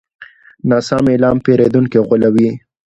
ناسم اعلان پیرودونکي غولوي.